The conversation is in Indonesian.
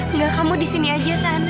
nggak kamu di sini aja san